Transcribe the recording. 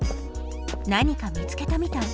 何か見つけたみたい。